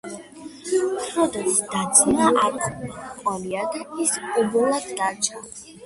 ფროდოს და-ძმა არ ჰყოლია და ის ობლად დარჩა.